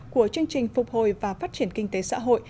của chương trình phục hồi và phát triển kinh tế xã hội